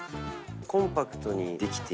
コンパクトにできて。